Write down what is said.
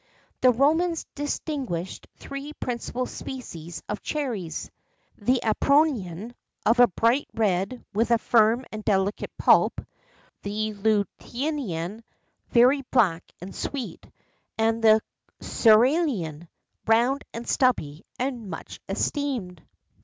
[XII 59] The Romans distinguished three principal species of cherries: the Apronian, of a bright red, with a firm and delicate pulp; the Lutatian, very black and sweet; the Cæcilian, round and stubby, and much esteemed.